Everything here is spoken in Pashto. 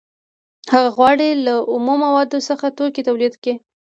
هغه غواړي له اومو موادو څخه توکي تولید کړي